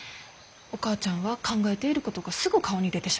お母ちゃんは考えていることがすぐ顔に出てしまう。